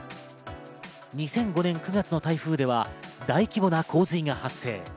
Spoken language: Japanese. ２００５年９月の台風では大規模な洪水が発生。